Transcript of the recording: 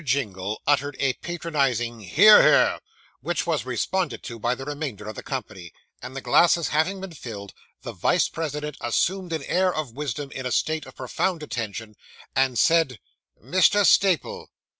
Jingle uttered a patronising 'Hear, hear,' which was responded to by the remainder of the company; and the glasses having been filled, the vice president assumed an air of wisdom in a state of profound attention; and said 'Mr. Staple.